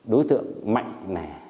đối tượng mạnh này